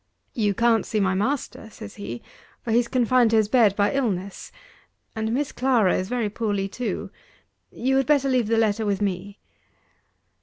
"You can't see my master," says he, "for he's confined to his bed by illness: and Miss Clara is very poorly too you had better leave the letter with me."